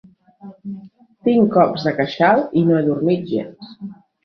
Tinc cops de queixal i no he dormit gens.